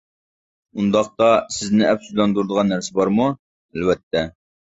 -ئۇنداقتا، سىزنى ئەپسۇسلاندۇرىدىغان نەرسە بارمۇ؟ — ئەلۋەتتە.